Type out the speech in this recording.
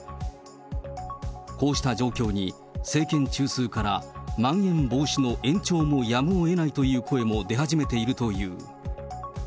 こうした状況に、政権中枢から、まん延防止の延長もやむをえないという声も出始めているという。